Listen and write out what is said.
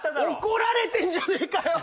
怒られてんじゃねえかよ！